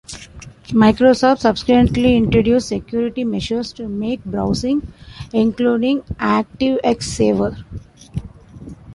Microsoft subsequently introduced security measures to make browsing including ActiveX safer.